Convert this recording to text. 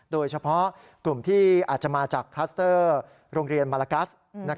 โดยเฉพาะกลุ่มที่อาจจะมาจากคลัสเตอร์โรงเรียนมาลากัส